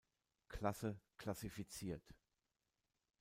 Klasse klassifiziert.